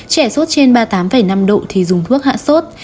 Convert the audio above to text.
trẻ sốt trên ba mươi tám năm độ thì dùng thuốc hạ sốt